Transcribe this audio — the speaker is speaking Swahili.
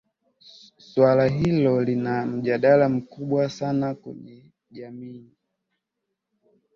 suala hilo lina mjadala mkubwa sana kwenye jamii